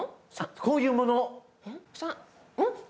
こういうもの。